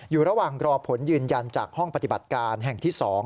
อยู่ระหว่างรอผลยืนยันจากห้องปฏิบัติการแห่งที่๒